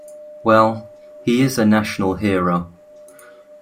Well, he is a national hero.